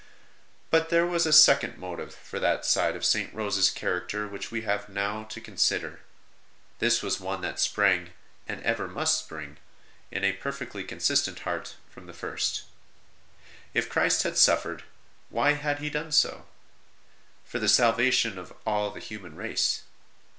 But there was a second motive for that side of St. Rose s character which we have now to PENITENTIAL PRACTICES OF HER GIRLHOOD 8l consider. This was one that sprang, and ever must spring, in a perfectly consistent heart, from the first. If Christ had suffered, why had He done so ? For the salvation of all the human race.